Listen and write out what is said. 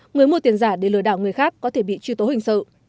người mua tiền giả để lừa đảo người khác có thể bị truy tố hình sự